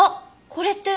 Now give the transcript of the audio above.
これって。